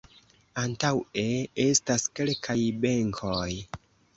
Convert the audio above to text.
Antaŭe estas kelkaj benkoj.